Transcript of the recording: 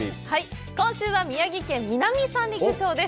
今週は宮城県南三陸町です。